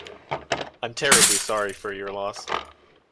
I’m terribly sorry for your loss.